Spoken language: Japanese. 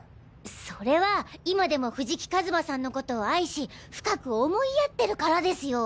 それは今でも藤木一馬さんのことを愛し深く思いやってるからですよ。